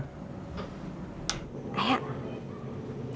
ayo duduk kita makan